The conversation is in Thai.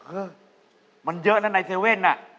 เออมันเยอะนะในเซเว่นน่ะ